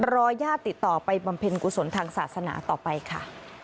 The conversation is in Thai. ญาติติดต่อไปบำเพ็ญกุศลทางศาสนาต่อไปค่ะ